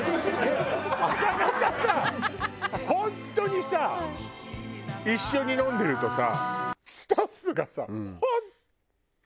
朝方さ本当にさ一緒に飲んでるとさ。